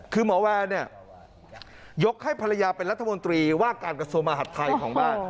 คือหมอแวร์เนี่ยยกให้ภรรยาเป็นรัฐมนตรีว่าการกระทรวงมหัฐไทยของบ้าน